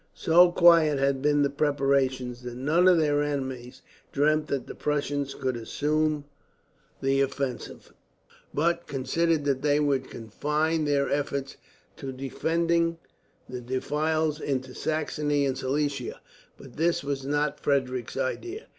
So quiet had been the preparations, that none of their enemies dreamt that the Prussians would assume the offensive, but considered that they would confine their efforts to defending the defiles into Saxony and Silesia. But this was not Frederick's idea.